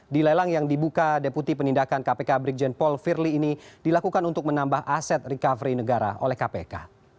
di lelang yang dibuka deputi penindakan kpk brigjen paul firly ini dilakukan untuk menambah aset recovery negara oleh kpk